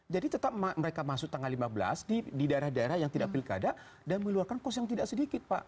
jadi tetap mereka masuk tanggal lima belas di daerah daerah yang tidak pilkada dan meluarkan kos yang tidak sedikit pak